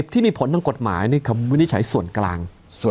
ที่มีผลทางกฎหมายนี่คำวินิจฉัยส่วนกลาง